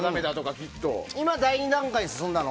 今、第２段階に進んだの？